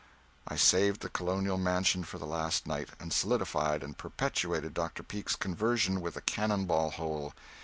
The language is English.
I saved the colonial mansion for the last night, and solidified and perpetuated Dr. Peake's conversion with the cannon ball hole.